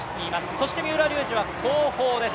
そして三浦龍司は後方です。